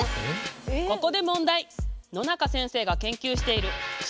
ここで問題。